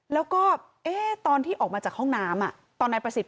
แล้วก็เอ๊ะตอนที่ออกมาจากห้องน้ำอะตอนนายประศิษย์